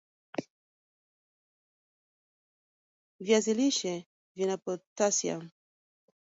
viazi lishe vina potasiam